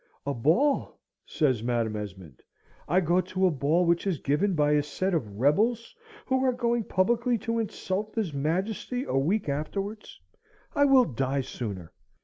"A ball!" says Madam Esmond. "I go to a ball which is given by a set of rebels who are going publicly to insult his Majesty a week afterwards! I will die sooner!"